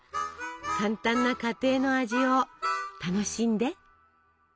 簡単な家庭の味を楽しんで。